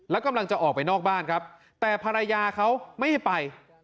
แล้วกำลังจะออกไปนอกบ้านครับแต่ภรรยาเขาไม่ให้ไป